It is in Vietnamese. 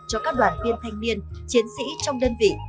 cho các đoàn viên thanh niên chiến sĩ trong đơn vị